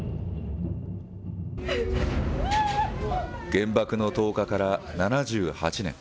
原爆の投下から７８年。